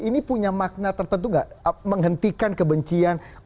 ini punya makna tertentu nggak menghentikan kebencian